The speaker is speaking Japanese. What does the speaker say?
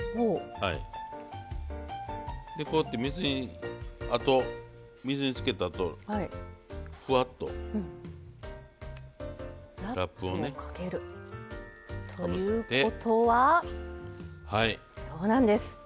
こうやって水につけたあとふわっとラップをね。ということはそうなんです